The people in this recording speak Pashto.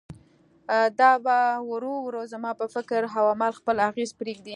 دا به ورو ورو زما پر فکر او عمل خپل اغېز پرېږدي.